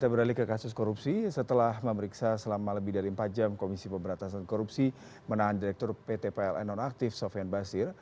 kita beralih ke kasus korupsi setelah memeriksa selama lebih dari empat jam komisi pemberantasan korupsi menahan direktur pt pln nonaktif sofian basir